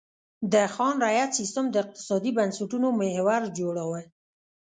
د خان رعیت سیستم د اقتصادي بنسټونو محور جوړاوه.